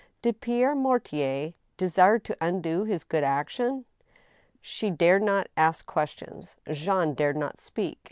Did Pierre Mortier desire to undo his good action ? She dared not ask questions. Jean dared not speak.